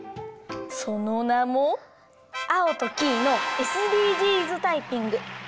そのなも「アオとキイのＳＤＧｓタイピング」。